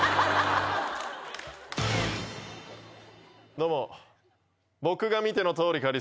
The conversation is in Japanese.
どうも。